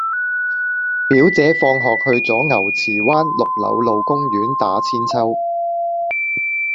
表姐放學去左牛池灣綠柳路公園打韆鞦